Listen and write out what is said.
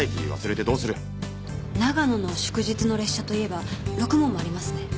長野の祝日の列車といえばろくもんもありますね。